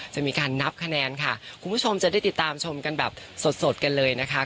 จะมีการนับคะแนนค่ะคุณผู้ชมจะได้ติดตามชมกันแบบสดกันเลยนะคะ